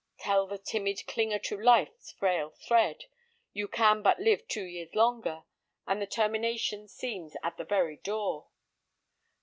Tell the timid clinger to life's frail thread, you can but live two years longer, and the termination seems at the very door.